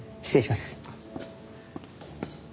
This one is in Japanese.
失礼します。